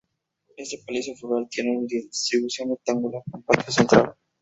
Este palacio rural tiene una distribución rectangular con patio central.